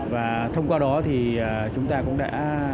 và thông qua đó thì chúng ta cũng đã